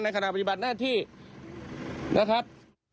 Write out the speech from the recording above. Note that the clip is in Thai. ขณะปฏิบัติหน้าที่นะครับ